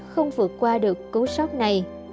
không vượt qua được cú sốc này